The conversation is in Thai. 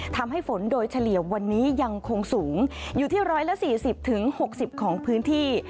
ทำให้ฝนโดยเฉลี่ยวันนี้ยังคงสูงอยู่ที่๑๔๐๖๐ของพื้นที่